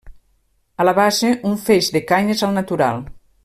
A la base, un feix de canyes al natural.